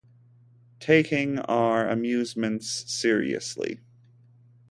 "Taking Our Amusements Seriously".